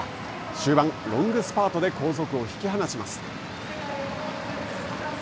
終盤、ロングスパートで後続を引き離します。